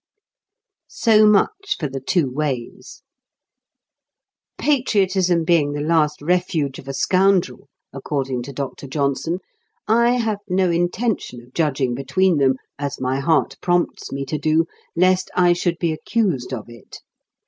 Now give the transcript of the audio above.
So much for the two ways. Patriotism being the last refuge of a scoundrel, according to Doctor Johnson, I have no intention of judging between them, as my heart prompts me to do, lest I should be accused of it.